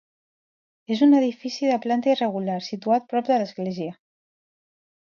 És un edifici de planta irregular, situat prop de l'església.